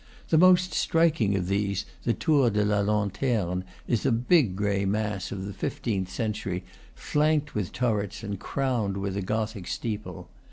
The most striking of these, the Tour de la Lanterne, is a big gray mass, of the fifteenth century, flanked with turrets and crowned with a Gothic steeple.